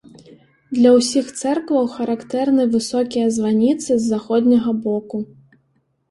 Для ўсіх цэркваў характэрны высокія званіцы з заходняга боку.